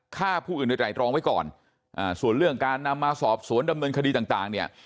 ฆ่าผู้อื่นโดยไตรรองไว้ก่อนอ่าส่วนเรื่องการนำมาสอบสวนดำเนินคดีต่างต่างเนี่ย